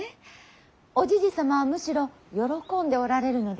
おじじ様はむしろ喜んでおられるのですよ。